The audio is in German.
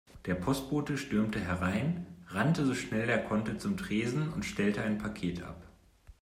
Der Postbote stürmte herein, rannte so schnell er konnte zum Tresen und stellte ein Paket ab.